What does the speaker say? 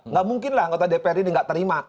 nggak mungkin lah anggota dpr ini nggak terima